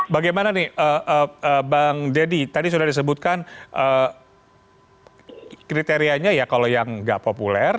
bagaimana nih bang deddy tadi sudah disebutkan kriterianya ya kalau yang nggak populer